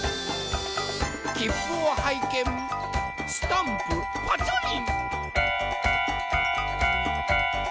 きっぷをはいけんスタンプパチョリン。